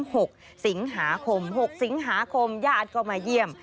หกสิงหาคมหกสิงหาคมญาติก็มาเยี่ยม